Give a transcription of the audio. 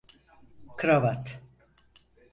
Kravat…